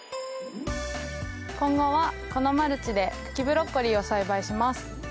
今後はこのマルチで茎ブロッコリーを栽培します。